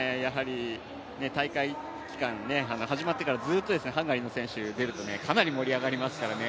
大会期間、始まってからずっとハンガリーの選手出るとかなり盛り上がりますからね。